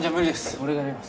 俺がやります